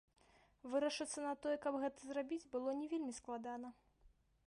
Вырашыцца на тое, каб гэта зрабіць, было не вельмі складана.